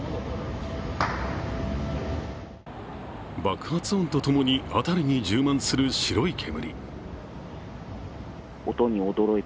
爆発音とともに辺りに充満する白い煙。